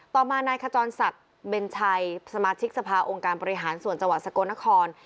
ต่อมานายขจรศักดิ์เบนชัยสมาชิกสภาองค์การบริหารส่วนจังหวัดสกลนคร